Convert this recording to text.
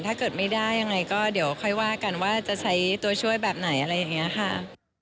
ถ้าเกิดไม่ได้ยังไงก็เดี๋ยวค่อยว่ากันว่าจะใช้ตัวช่วยแบบไหนอะไรอย่างนี้ค่ะ